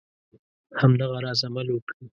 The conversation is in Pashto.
همدغه راز عمل وکړي.